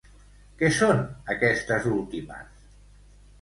Què són aquestes últimes?